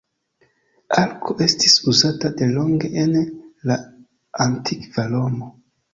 Arko estis uzata delonge en la Antikva Romo.